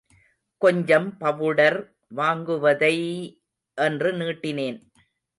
கொஞ்சம் பவுடர் வாங்குவதை...... என்று நீட்டினேன்.